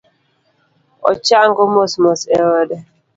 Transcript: Ochango mos mos e ode